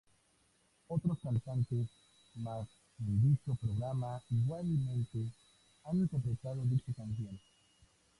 Otros cantantes más en dicho programa igualmente han interpretado dicha canción.